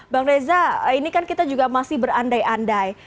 bang reza ini kan kita juga masih berandai andai